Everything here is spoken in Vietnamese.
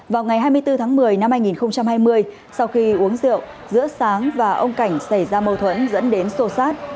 vào ngày hai mươi bốn tháng một mươi năm hai nghìn hai mươi sau khi uống rượu giữa sáng và ông cảnh xảy ra mâu thuẫn dẫn đến sô sát